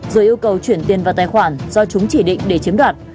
rồi yêu cầu chuyển tiền vào tài khoản do chúng chỉ định để chiếm đoạt